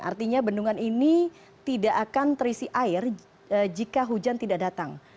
artinya bendungan ini tidak akan terisi air jika hujan tidak datang